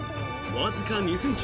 わずか２ｃｍ。